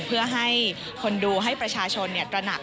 เพื่อให้คนดูให้ประชาชนตระหนัก